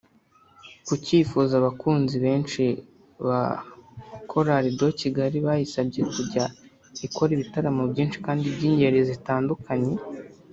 Ku cyifuzo abakunzi benshi ba Chorale de Kigali bayisabye kujya ikora ibitaramo byinshi kandi by’ingeri zitandukanye